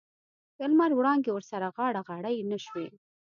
د لمر وړانګې ورسره غاړه غړۍ نه شوې.